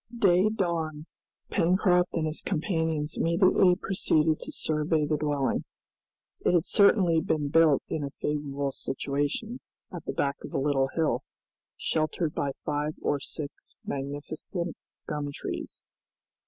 Day dawned; Pencroft and his companions immediately proceeded to survey the dwelling. It had certainly been built in a favorable situation, at the back of a little hill, sheltered by five or six magnificent gum trees.